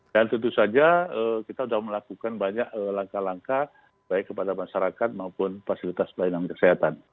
dan tentu saja kita sudah melakukan banyak langkah langkah baik kepada masyarakat maupun fasilitas pelayanan kesehatan